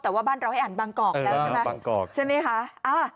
แต่ว่าบ้านเราให้อ่านบางกอกแล้วใช่ไหมบางกอกใช่ไหมคะ